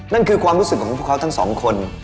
นั่นคือความรู้สึกของพวกเขาทั้งสองคน